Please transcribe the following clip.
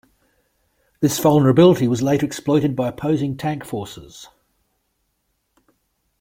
This vulnerability was later exploited by opposing tank forces.